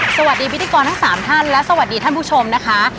สวัสดีพิธีกรทั้ง๓ท่านและสวัสดีท่านผู้ชมนะคะ